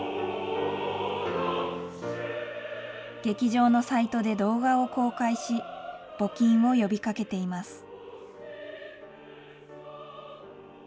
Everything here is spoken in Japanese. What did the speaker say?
劇場のサイトで動画を公開し、募金を呼びかけています。